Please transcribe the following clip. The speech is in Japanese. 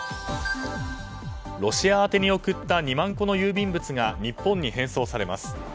ロシア宛てに送った２万個の郵便物が日本に返送されます。